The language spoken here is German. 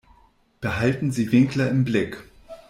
Behalten Sie Winkler im Blick.